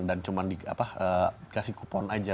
dan cuman dikasih kupon aja